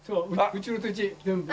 うちの土地全部。